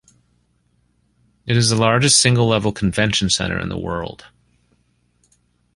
It is the largest single-level convention center in the world.